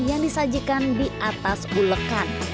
yang disajikan di atas bulekan